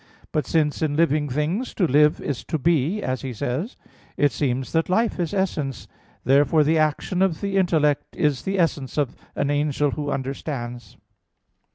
But "since in living things to live is to be," as he says (De Anima ii, text 37), it seems that life is essence. Therefore the action of the intellect is the essence of an angel who understands.